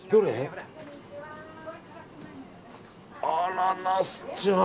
あら、ナスちゃん。